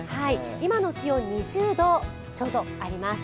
今の気温は２０度ちょうどあります。